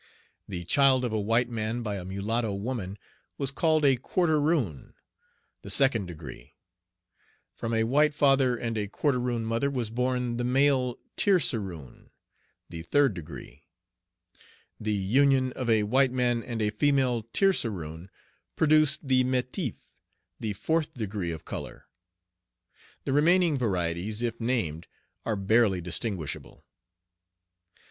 The child of a white man by a mulatto woman was called a quarteroon, the second degree; from a white father and a quarteroon mother was born the male tierceroon, the third degree; the union of a white man with a female tierceroon produced the metif, the fourth degree of color. The remaining varieties, if named, are barely distinguishable.